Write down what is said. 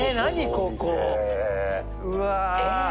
ここうわえ